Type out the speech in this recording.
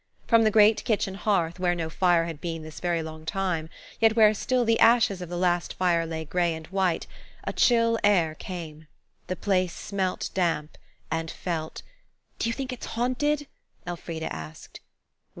From the great kitchen hearth, where no fire had been this very long time, yet where still the ashes of the last fire lay grey and white, a chill air came. The place smelt damp and felt– "Do you think it's haunted?" Elfrida asked.